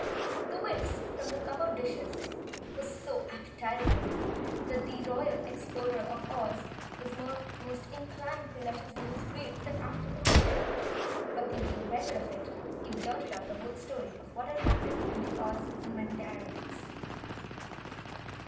The whiffs from the covered dishes were so appetizing the Royal Explorer of Oz was almost inclined to let his news wait till afterward. But thinking better of it, he blurted out the whole story of what had happened to the Ozamandarins.